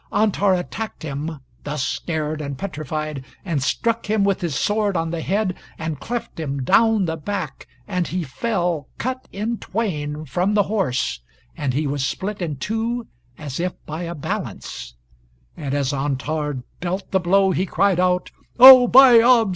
Antar attacked him, thus scared and petrified, and struck him with his sword on the head, and cleft him down the back; and he fell, cut in twain, from the horse, and he was split in two as if by a balance; and as Antar dealt the blow he cried out, "Oh, by Abs!